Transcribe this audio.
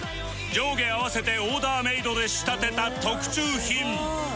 上下合わせてオーダーメイドで仕立てた特注品